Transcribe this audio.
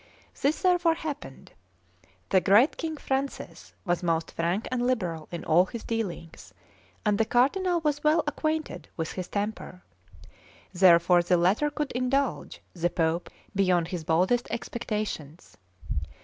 This therefore happened. The great King Francis was most frank and liberal in all his dealings, and the Cardinal was well acquainted with his temper. Therefore the latter could indulge the Pope beyond his boldest expectations.